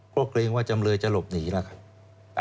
ก็เกรงว่าจำเลยจะหลบหนีแล้วครับ